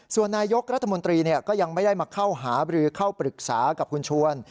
ส่วนนายกรัฐมนตรีก็ยังไม่ได้มาเข้าหาบรือเข้าปรึกษากับคุณชวน